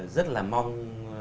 rất là mong